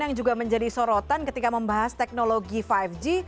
yang juga menjadi sorotan ketika membahas teknologi lima g